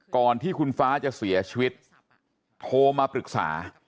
ก่อนที่คุณฟ้าจะเสียชีวิตโทรมาปรึกษา